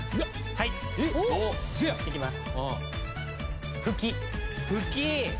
はいいきます。